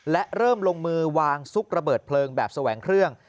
และเริ่มลงมือวางซุกระเบิดเพลิงแบบแสวงเครื่อง